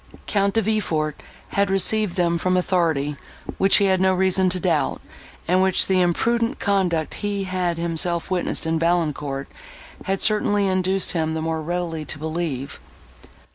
Count De Villefort had received them from authority which he had no reason to doubt, and which the imprudent conduct he had himself witnessed in Valancourt, had certainly induced him the more readily to believe.